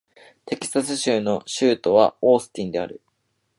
テキサス州の州都はオースティンである